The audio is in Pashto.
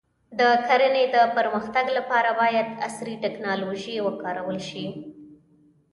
د کرنې د پرمختګ لپاره باید عصري ټکنالوژي وکارول شي.